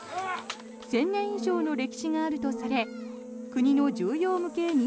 １０００年以上の歴史があるとされ国の重要無形民俗